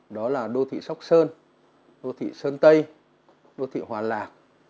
đó là đô thị sóc sơn đô thị sơn tây đô thị hòa lạc